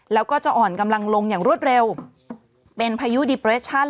แล้วก็จะอ่อนกำลังลงอย่างรวดเร็วเป็นพายุดิเปรชั่น